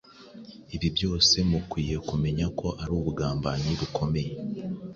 ibi byose mukwiye kumenya ko ari ubugambanyi bukomeye,